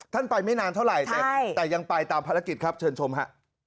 ไปไม่นานเท่าไหร่แต่ยังไปตามภารกิจครับเชิญชมฮะ